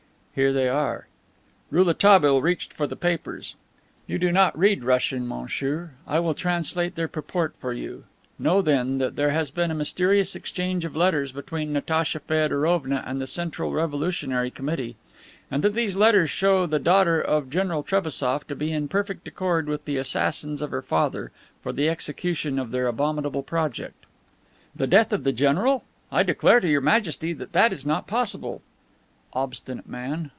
"Here they are." Rouletabille reached for the papers. "You do not read Russian, monsieur. I will translate their purport for you. Know, then, that there has been a mysterious exchange of letters between Natacha Feodorovna and the Central Revolutionary Committee, and that these letters show the daughter of General Trebassof to be in perfect accord with the assassins of her father for the execution of their abominable project." "The death of the general?" "Exactly." "I declare to Your Majesty that that is not possible." "Obstinate man!